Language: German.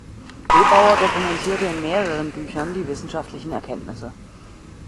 Gebauer dokumentierte in mehreren Büchern die wissenschaftlichen Erkenntnisse.